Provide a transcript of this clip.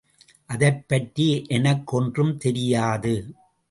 அதைப்பற்றி எனக்கொன்றும் தெரியாது.